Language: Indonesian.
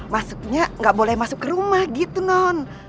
masuknya nggak boleh masuk ke rumah gitu non